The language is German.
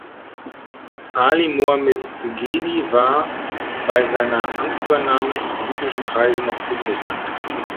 Ali Mohammed Ghedi war bei seiner Amtsübernahme in politischen Kreisen noch unbekannt.